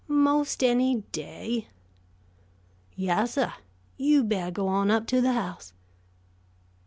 "'Most any day?" "Yessah. You better go on up to the house."